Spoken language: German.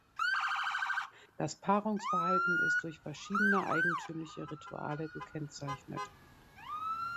Das Paarungsverhalten ist durch verschiedene eigentümliche Rituale gekennzeichnet.